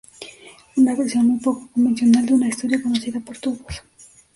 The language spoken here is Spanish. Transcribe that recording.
Una versión muy poco convencional de una historia conocida por todos.